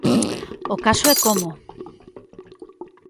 O caso é como.